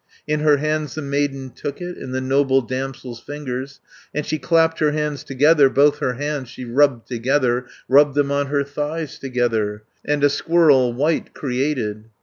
"In her hands the maiden took it, In the noble damsel's fingers, And she clapped her hands together, Both her hands she rubbed together, Rubbed them on her thighs together, And a squirrel white created.